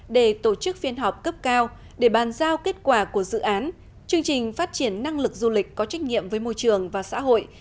để tổ chức phiên họp cấp cao để bàn giao kết quả của dự án chương trình phát triển năng lực du lịch có trách nhiệm với môi trường và xã hội